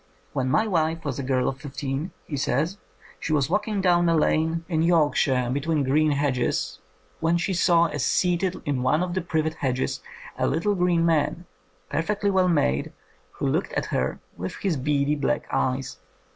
When my wife was a girl of fifteen," he says, *'she was walking down a lane in York 129 THE COMING OF THE FAIRIES shire, between green hedges, when she saw seated in one of the privet hedges a little green man, perfectly well made, who looked at her with his beady black eyes.